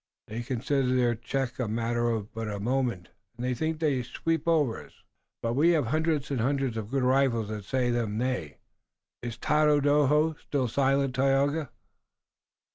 "They consider their check a matter of but a moment, and they think to sweep over us." "But we have hundreds and hundreds of good rifles that say them nay. Is Tododaho still silent, Tayoga?"